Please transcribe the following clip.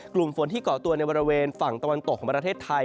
กลุ่มฝนที่เกาะตัวในบริเวณฝั่งตะวันตกของประเทศไทย